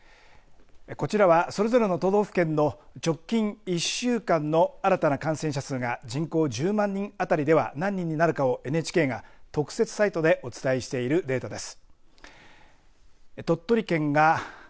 こちらはそれぞれの都道府県の直近１週間の新たな感染者数が人口１０万人当たりでは何人になるかをＮＨＫが特設サイトでお伝えしているデータです。